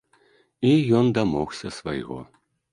І ён дамогся свайго.